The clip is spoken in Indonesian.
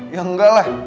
ya nggak lah